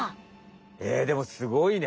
えでもすごいね！